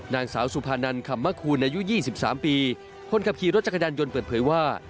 นางสาวสุภานันคำมคูณอายุ๒๓ปีคนขับขี่รถจักรยานยนต์เปิดเผยว่า